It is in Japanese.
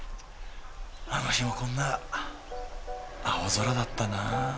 あの日もこんな青空だったな。